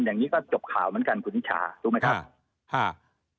อย่างนี้ก็จบข่าวเหมือนกันคุณนิชาถูกไหมครับ